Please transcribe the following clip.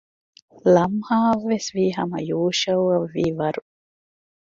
ލަމްހާއަށްވެސްވީ ހަމަ ޔޫޝައުއަށް ވީވަރު